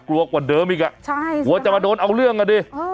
กลัวกว่าเดิมอีกอ่ะใช่ว่าจะมาโดนเอาเรื่องอ่ะดิอ้อ